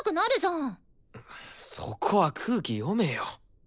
そこは空気読めよ。